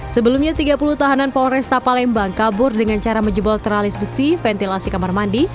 sebelumnya tiga puluh tahanan polresta palembang kabur dengan cara menjebol tralis besi ventilasi kamar mandi